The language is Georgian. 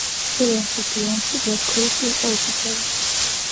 პირველ მსოფლიო ომში ბლასკოვიცი იყო ოფიცერი.